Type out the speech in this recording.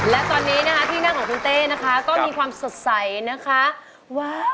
และตอนนี้นะคะที่นั่งของคุณเต้นะคะก็มีความสดใสนะคะ